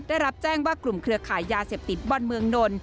ได้รับแจ้งว่ากลุ่มเครือขายยาเสพติดบอลเมืองนนท